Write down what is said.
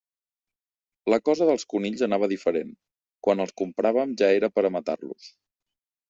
La cosa dels conills anava diferent: quan els compràvem ja era per a matar-los.